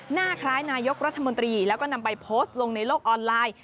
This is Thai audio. หน้าคล้ายนายกรัฐมนตรีแล้วก็นำไปโพสต์ลงในโลกออนไลน์